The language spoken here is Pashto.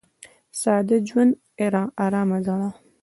• ساده ژوند، ارامه زړه.